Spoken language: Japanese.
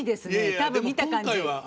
多分見た感じ。